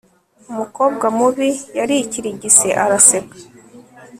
umukobwa mubi yarikirigise araseka